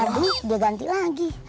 tadi dia ganti lagi